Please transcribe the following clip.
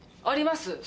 あります